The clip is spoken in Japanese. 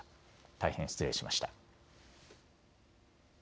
大変失礼しました。